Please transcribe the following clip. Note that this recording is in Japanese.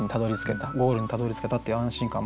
ゴールにたどりつけたっていう安心感もあるし。